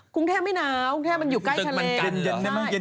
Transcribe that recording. กรุงเทพไม่หนาวกรุงเทพมันอยู่ใกล้ชะเล